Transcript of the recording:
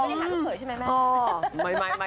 ไม่ได้หาลูกเขยใช่ไหมแม่